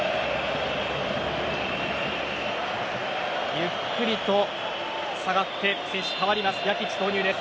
ゆっくりと下がって選手が代わります。